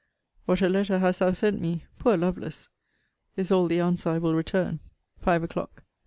What a letter hast thou sent me! Poor Lovelace! is all the answer I will return. FIVE O'CLOCK.